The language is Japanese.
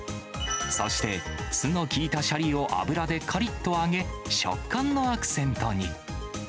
そして、酢の効いたシャリを油でかりっと揚げ、食感のアクセントに。